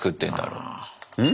うん。